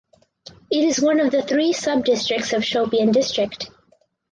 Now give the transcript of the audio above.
It is one of three sub districts of Shopian district.